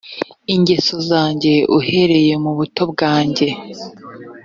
ingeso zanjye uhereye mu buto bwanjye